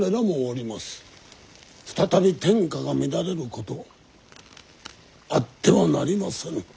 再び天下が乱れることあってはなりませぬ。